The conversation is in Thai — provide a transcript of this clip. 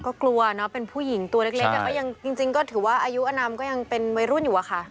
ก็กลัวเนอะเป็นผู้หญิงตัวเล็กแต่ก็ยังจริงก็ถือว่าอายุอนามก็ยังเป็นวัยรุ่นอยู่อะค่ะ